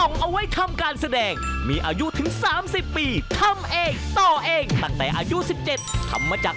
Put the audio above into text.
ค่าทุกอย่างก็เกือบหมื่นนะครับค่าทุกอย่างก็เกือบหมื่นนะครับ